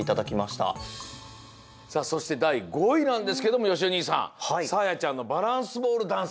さあそしてだい５いなんですけどもよしお兄さんさあやちゃんのバランスボールダンス。